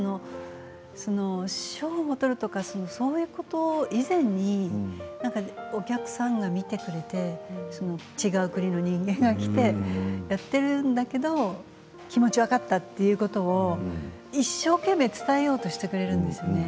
賞を取るとかそういうこと以前にお客さんが見てくれて違う国の人間が来てやっているんだけれど気持ち分かったということを一生懸命伝えようとしてくれるんですね。